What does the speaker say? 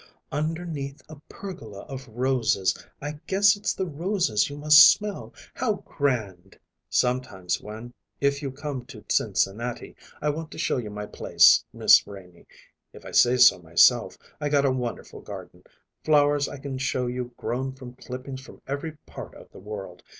"Underneath a pergola of roses! I guess it's the roses you must smell. How grand!" "Sometimes when if you come to Cincinnati I want to show you my place, Miss Renie. If I say so myself, I got a wonderful garden; flowers I can show you grown from clippings from every part of the world.